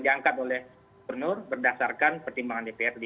diangkat oleh penur berdasarkan pertimbangan dprd